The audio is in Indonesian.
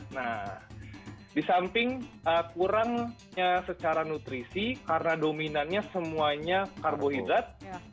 nah disamping kurangnya secara nutrisi karena dominannya semuanya karbohidrat